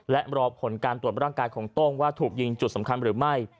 และรอผลการตรวจร่างกายของโต้งว่าถูกยิงจุดสำคัญหรือไม่